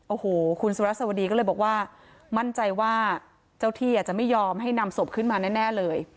โอ้โหคุณสุรัสวดีก็เลยบอกว่ามั่นใจว่าเจ้าที่อาจจะไม่ยอมให้นำศพขึ้นมาแน่เลย